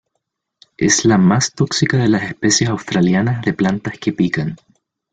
Es la más tóxica de las especies australianas de plantas que pican.